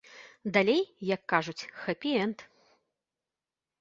Далей, як кажуць, хэпі-энд.